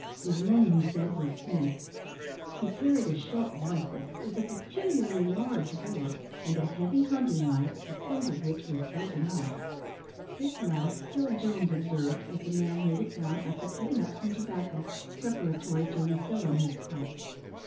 His name, he said, was Smith. He carried a short rifle, with a peculiarly large bore, and a heavy hunting knife, the point of which was broken off. This last Bill Jones observed, as the man laid it down, after cutting up some tobacco, preparatory to refilling his pipe.